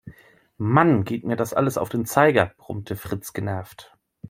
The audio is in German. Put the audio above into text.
Mann, geht mir das alles auf den Zeiger, brummte Fritz genervt.